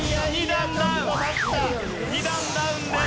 ２段ダウンです。